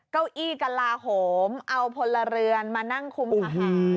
เก้าอี้กระลาโหมเอาพลเรือนมานั่งคุมอาหาร